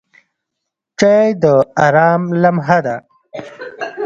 چای د آرام لمحه ده.